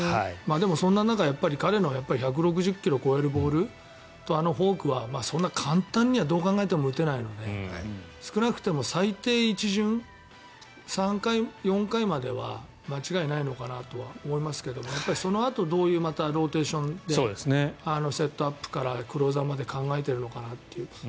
でもそんな中、彼の１６０ｋｍを超えるボールとあのフォークは、そんな簡単にはどう考えても打てないので少なくとも最低一巡、３回、４回までは間違いないのかなとは思いますがそのあとどういうローテーションでセットアップからクローザーまで考えているのかなという。